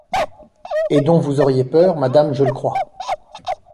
Et dont vous auriez peur, madame, je le crois